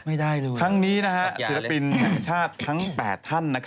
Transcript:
ไม่ได้เลยทั้งนี้ศิลปินแห่งชาติทั้ง๘ท่าน